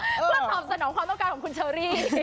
ประสอบสนองความต้องการของคุณชัลรี่